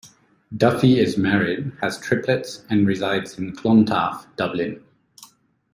Duffy is married, has triplets and resides in Clontarf, Dublin.